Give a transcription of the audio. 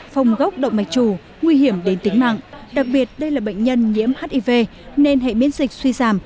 phòng gốc động mạch chủ nguy hiểm đến tính mạng đặc biệt đây là bệnh nhân nhiễm hiv nên hãy biến dịch suy giảm